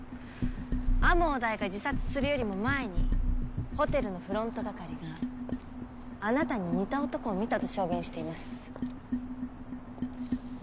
天羽大が自殺するよりも前にホテルのフロント係があなたに似た男を見たと証言しています。